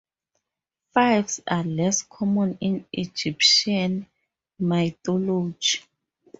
Fives are less common in Egyptian mythology.